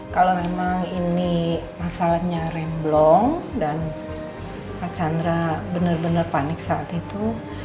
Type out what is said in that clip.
kalau memang ini masalahnya remblong dan kak chandra benar benar panik saat itu